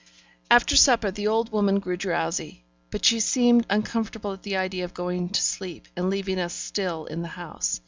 After supper, the old woman grew drowsy; but she seemed uncomfortable at the idea of going to sleep and leaving us still in the house.